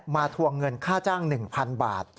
ทวงเงินค่าจ้าง๑๐๐๐บาท